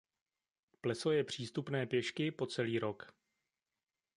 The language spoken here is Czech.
Pleso je přístupné pěšky po celý rok.